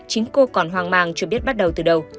chính cô còn hoang mang chưa biết bắt đầu từ đầu